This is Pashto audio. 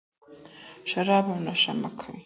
شراب او نشه مه کوئ.